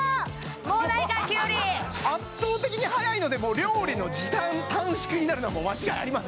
もうないかきゅうり圧倒的に速いのでもう料理の時短短縮になるのはもう間違いありません